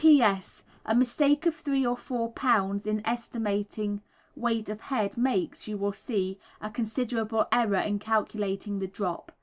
P.S. A mistake of 3 or 4 lbs. in estimating weight of head makes, you will see, a considerable error in calculating the drop.